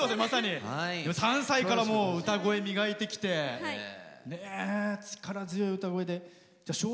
３歳から歌声磨いてきて力強い歌声で。